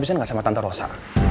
selamat malam bu rosa